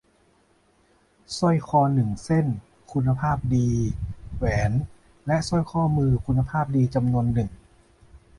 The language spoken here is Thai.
สร้อยคอหนึ่งเส้น-คุณภาพดี-แหวนและสร้อยข้อมือคุณภาพดีจำนวนหนึ่ง